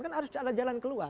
kan harus ada jalan keluar